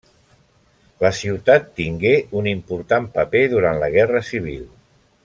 La ciutat tingué un important paper durant la guerra civil.